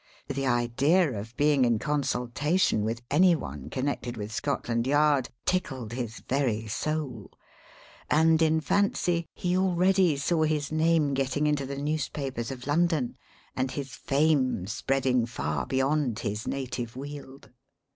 The idea of being in consultation with any one connected with Scotland Yard tickled his very soul; and, in fancy, he already saw his name getting into the newspapers of London, and his fame spreading far beyond his native weald.